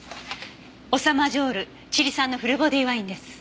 オサ・マジョールチリ産のフルボディワインです。